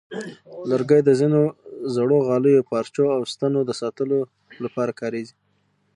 لرګي د ځینو زړو غالیو، پارچو، او ستنو د ساتلو لپاره کارېږي.